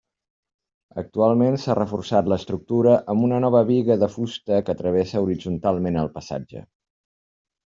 Actualment s'ha reforçat l'estructura amb una nova biga de fusta que travessa horitzontalment el passatge.